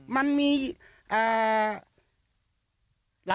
มันมีเอ่อ